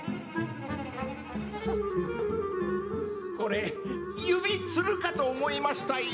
これ指つるかと思いましたよ！